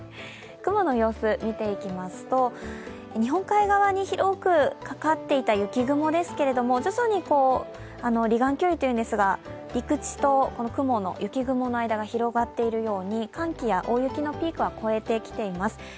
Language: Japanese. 雲の様子を見ていきますと日本海側に広くかかっていた雪雲ですが徐々に離岸距離というんですが、陸地と雪雲の間が広がっているように寒気や大雪のピークは越えてきています。